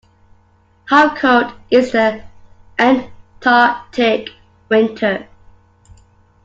How cold is the Antarctic winter?